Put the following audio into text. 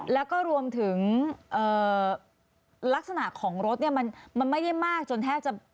แล้วก็รวมถึงลักษณะของรถเนี่ยมันไม่ได้มากจนแทบจะ